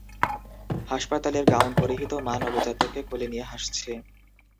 হাসপাতালের গাউন পরিহিত মা নবজাতককে কোলে নিয়ে হাসছে।